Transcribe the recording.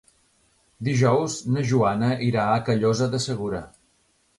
Dijous na Joana irà a Callosa de Segura.